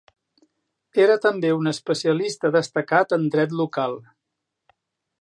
Era també un especialista destacat en dret local.